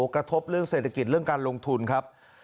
กระทบเรื่องเศรษฐกิจเรื่องการลงทุนครับ